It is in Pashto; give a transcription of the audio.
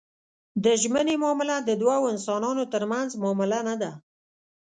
د ژمنې معامله د دوو انسانانو ترمنځ معامله نه ده.